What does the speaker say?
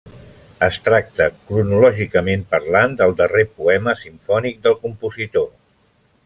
Es tracta, cronològicament parlant, del darrer poema simfònic del compositor.